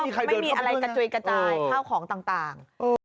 เพราะว่าไม่มีอะไรกระจวยกระจายเท่าของต่าง